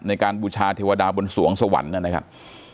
ในการบุชาเทวดาบนสวงสวรรค์นั้นนะครับ